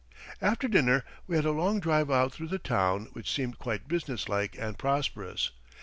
] After dinner we had a long drive out through the town, which seemed quite business like and prosperous.